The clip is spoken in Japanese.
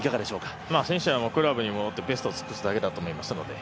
選手はクラブに戻ってベストを尽くすだけだと思うので。